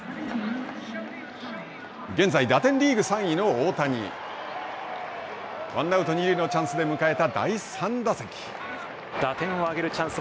現在、打点リーグ３位の大谷。ワンアウト、二塁のチャンスで迎えた第３打席。